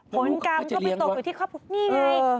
ผลกรรมก็ไปตกอยู่ที่ครอบครัวนี่ไง